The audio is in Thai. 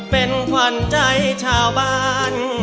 เป็นขวัญใจชาวบ้าน